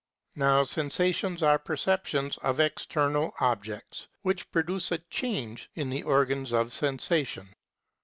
Now sensations are perceptions of external objects, which produce a change in the organs of sen sation (§ 67, Psychol.